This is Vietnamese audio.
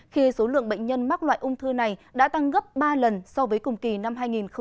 khi số lượng bệnh nhân mắc loại ung thư này đã tăng gấp ba lần so với cùng kỳ năm hai nghìn một mươi tám